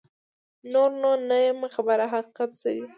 نور نو نه یمه خبر حقیقت څه دی